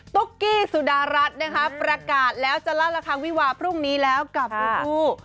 ตุ๊กกี้สุดารัฐนะคะประกาศแล้วจะลาดละครังวิวาพรุ่งนี้แล้วกับลูกคู่